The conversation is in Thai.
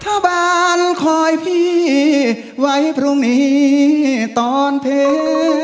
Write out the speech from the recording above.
ชาวบ้านคอยพี่ไว้พรุ่งนี้ตอนเพ